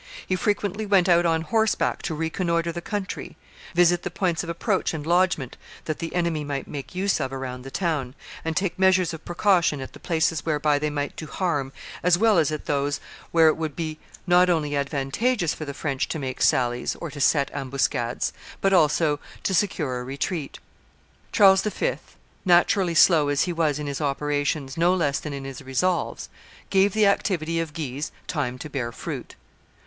He frequently went out on horseback to reconnoitre the country, visit the points of approach and lodgment that the enemy might make use of around the town, and take measures of precaution at the places whereby they might do harm as well as at those where it would be not only advantageous for the French to make sallies or to set ambuscades, but also to secure a retreat. Charles V., naturally slow as he was in his operations no less than in his resolves, gave the activity of Guise time to bear fruit.